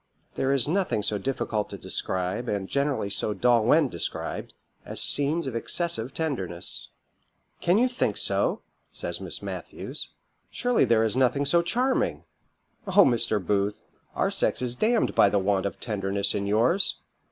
"There is nothing so difficult to describe, and generally so dull when described, as scenes of excessive tenderness." "Can you think so?" says Miss Matthews; "surely there is nothing so charming! Oh! Mr. Booth, our sex is d ned by the want of tenderness in yours.